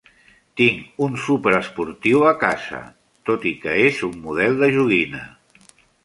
Tinc un superesportiu a casa, tot i que és un model de joguina.